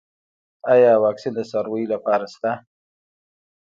آیا واکسین د څارویو لپاره شته؟